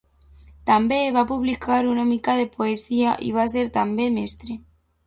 També va publicar una mica de poesia i va ser també mestre.